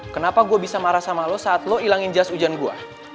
kenapa gue bisa marah sama lu saat lu ilangin jas ujan gue